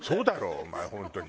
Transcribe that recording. お前本当に。